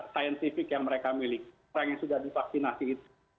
saintifik yang mereka miliki orang yang sudah divaksinasi itu